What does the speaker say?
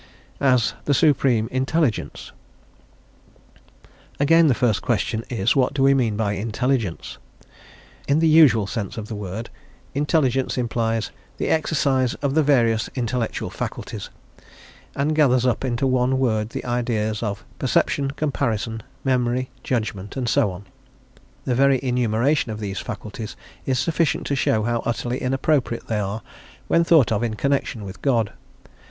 As the Supreme Intelligence. Again, the first question is, what do we mean by intelligence? In the usual sense of the word intelligence implies the exercise of the various intellectual faculties, and gathers up into one word the ideas of perception, comparison, memory, judgment, and so on. The very enumeration of these faculties is sufficient to show how utterly inappropriate they are when thought of in connection with God.